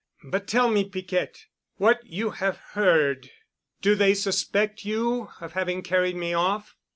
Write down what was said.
But tell me, Piquette, what you have heard. Do they suspect you of having carried me off?"